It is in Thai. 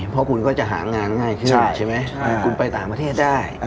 เพราะคุณก็จะหางานง่ายขึ้นใช่ไหมคุณไปต่างประเทศได้